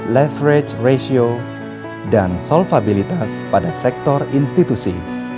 leverage ratio dan solfabilitas pada sektor institusi